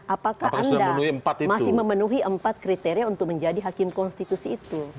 apakah anda masih memenuhi empat kriteria untuk menjadi hakim konstitusi itu